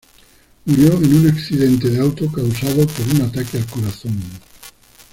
Murió en un accidente de auto causado por un ataque al corazón.